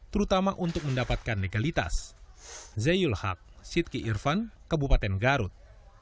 terutama untuk mendapatkan legalitas